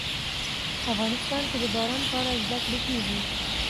افغانستان کې د باران په اړه زده کړه کېږي.